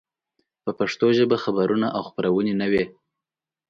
په پښتو ژبه خبرونه او خپرونې نه وې.